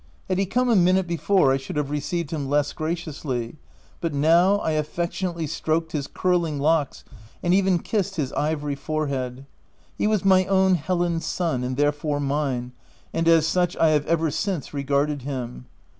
Had he come a minute before, I should have received him less graciously, but now I affectionately stroked his curling locks, and even kissed his ivory forehead : he was my own Helen's son, and therefore mine ; and as such I have ever since regarded him.